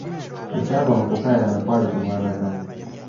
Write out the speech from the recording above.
Ekyava mu kukaayana kwali kulwanagana.